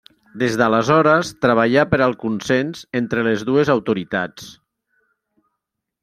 Des d'aleshores treballà per al consens entre les dues autoritats.